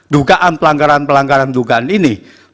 dugaan pelanggaran pelanggaran dugaan ini